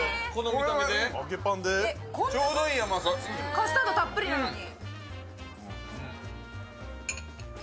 カスタードたっぷりなのに。